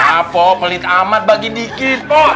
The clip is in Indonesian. ya pak pelit amat bagi dikit pak